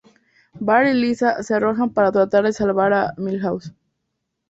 Bart y Lisa se arrojan para tratar de salvar a Milhouse.